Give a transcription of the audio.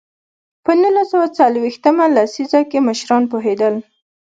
په نولس سوه څلوېښت مه لسیزه کې مشران پوهېدل.